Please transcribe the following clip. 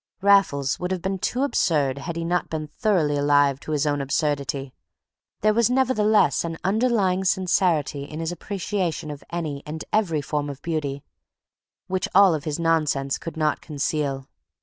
Raffles would have been too absurd had he not been thoroughly alive to his own absurdity; there was nevertheless an underlying sincerity in his appreciation of any and every form of beauty, which all his nonsense could not conceal.